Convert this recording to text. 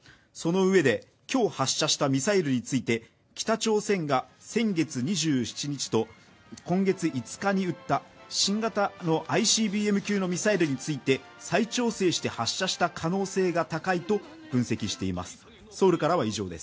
そのうえで、今日、発射したミサイルについて北朝鮮が先月２７日と今月５日に撃った新型のＩＣＢＭ級のミサイルについて再調整して発射した可能性が高いと分析しています。